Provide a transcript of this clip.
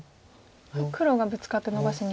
黒がブツカってのばしに。